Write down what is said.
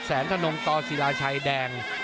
แสนทะนงตอศิลาชัยแดง